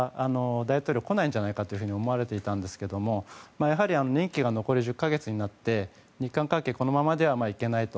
大統領来ないんじゃないかと思われていたんですけどやはり、任期が残り１０か月になって日韓関係このままではいけないと。